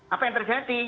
apa yang terjadi